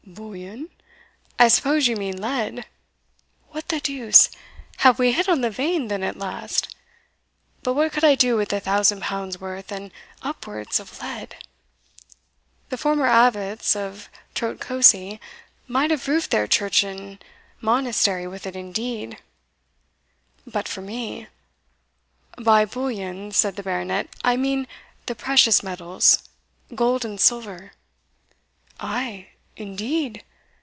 "Bullion! I suppose you mean lead. What the deuce! have we hit on the vein then at last? But what could I do with a thousand pounds' worth, and upwards, of lead? The former abbots of Trotcosey might have roofed their church and monastery with it indeed but for me" "By bullion," said the Baronet, "I mean the precious metals, gold and silver." "Ay! indeed?